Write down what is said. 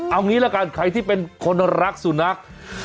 เอางี้ละกันใครที่เป็นคนรักสุนัข